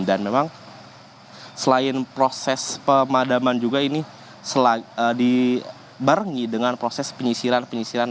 dan memang selain proses pemadaman juga ini dibarengi dengan proses penyisiran penyisiran